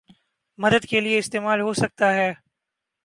مدد کے لیے استعمال ہو سکتا ہے